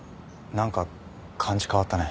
何か感じ変わったね。